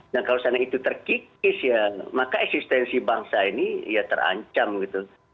dan kalau seandainya itu terkikis ya maka eksistensi bangsa ini ya terancam gitu